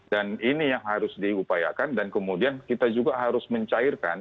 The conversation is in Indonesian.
dan ini yang harus diupayakan dan kemudian kita juga harus mencairkan